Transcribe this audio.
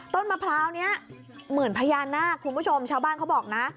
มะพร้าวนี้เหมือนพญานาคคุณผู้ชมชาวบ้านเขาบอกนะ